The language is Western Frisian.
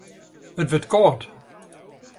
It wurdt kâld.